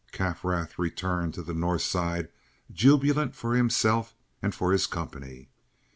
Kaffrath returned to the North Side jubilant for himself and for his company.